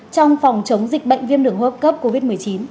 trong phòng chống dịch bệnh viêm đường hợp cấp covid một mươi chín